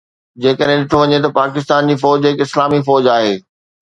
جيڪڏهن ڏٺو وڃي ته پاڪستان جي فوج هڪ اسلامي فوج آهي